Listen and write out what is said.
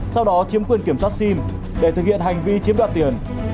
sau đó chiếm quyền kiểm soát sim để thực hiện hành vi chiếm đoạt tiền